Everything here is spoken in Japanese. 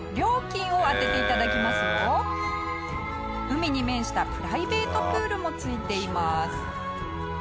海に面したプライベートプールも付いています。